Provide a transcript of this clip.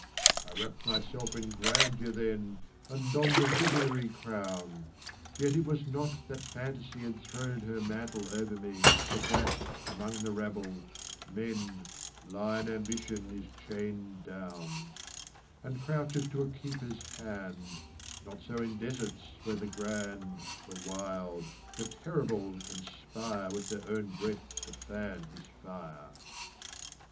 I wrapp'd myself in grandeur then, And donn'd a visionary crown Yet it was not that Fantasy Had thrown her mantle over me But that, among the rabble men, Lion ambition is chained down And crouches to a keeper's hand Not so in deserts where the grand The wild the terrible conspire With their own breath to fan his fire.